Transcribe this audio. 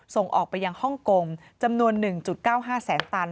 ส่งออกไปยังฮ่องกงจำนวน๑๙๕แสนตัน